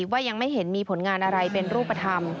ว่ายังไม่เห็นมีผลงานอะไรเป็นรูปธรรม